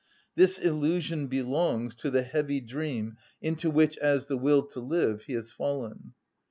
This illusion belongs to the heavy dream into which, as the will to live, he has fallen.